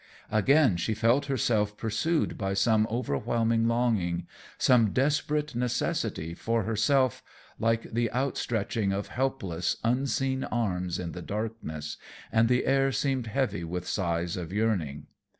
Again she felt herself pursued by some overwhelming longing, some desperate necessity for herself, like the outstretching of helpless, unseen arms in the darkness, and the air seemed heavy with sighs of yearning.